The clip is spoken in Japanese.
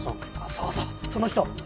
そうそうその人！